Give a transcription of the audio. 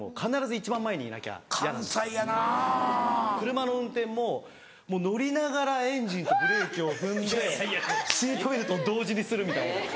車の運転ももう乗りながらエンジンとブレーキを踏んでシートベルトを同時にするみたいな。